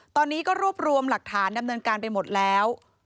ตอนนี้ก็รวบรวมหลักฐานดำเนินการไปหมดแล้ว